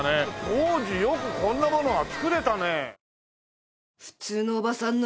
当時よくこんなものがつくれたね。